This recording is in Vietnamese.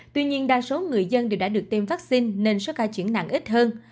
tuy nhiên đa số người dân đều đã được tiêm vaccine nên số ca chuyển nặng ít hơn